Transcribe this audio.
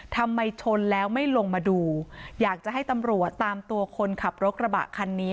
ทำไมชนแล้วไม่ลงมาดูอยากจะให้ตำรวจตามตัวคนขับรถกระบะคันนี้